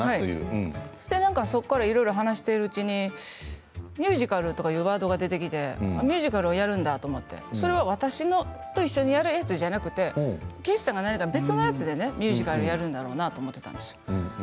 それから何か話しているうちにミュージカルというワードが出てきてミュージカルをやるんだと思ってそれは私と一緒にやるやつじゃなくって圭史さんは何か別のやつでミュージカルをやるんだろうなと思ったんですよ。